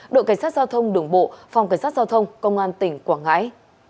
đội cảnh sát giao thông đường bộ phòng cảnh sát giao thông công an tỉnh quảng ngãi